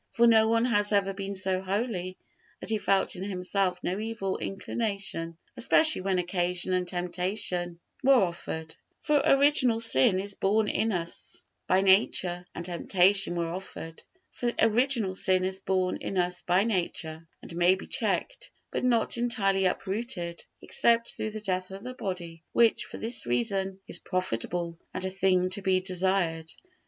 For no one has ever been so holy that he felt in himself no evil inclination, especially when occasion and temptation were offered. For original sin is born in us by nature, and may be checked, but not entirely uprooted, except through the death of the body; which for this reason is profitable and a thing to be desired.